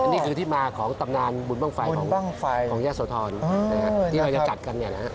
นี่คือที่มาของตำนานบุญบ้างไฟของยะโสธรที่เราจะจัดกันเนี่ยนะฮะ